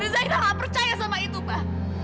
dan zaira nggak percaya sama itu pa